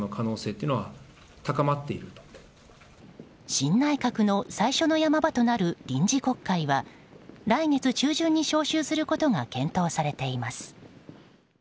新内閣の最初の山場となる臨時国会は来月中旬に召集することが検討されています。